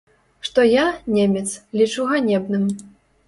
Што я, немец, лічу ганебным.